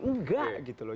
enggak gitu loh